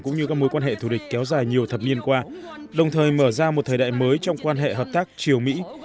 cũng như các mối quan hệ thủ địch kéo dài nhiều thập niên qua đồng thời mở ra một thời đại mới trong quan hệ hợp tác triều mỹ